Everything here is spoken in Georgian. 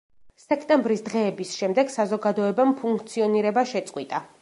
სექტემბრის დღეების შემდეგ საზოგადოებამ ფუნქციონირება შეწყვიტა.